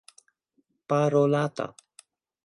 parolata